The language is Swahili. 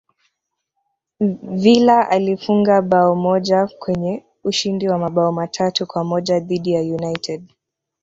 villa alifunga bao moja kwenye ushindi wa mabao matatu kwa moja dhidi ya united